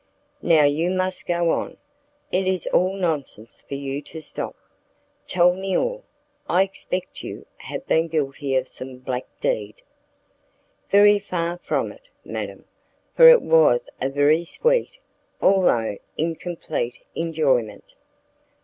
"Now you must go on; it is all nonsense for you to stop. Tell me all; I expect you have been guilty of some black deed." "Very far from it, madam, for it was a very sweet, although incomplete, enjoyment."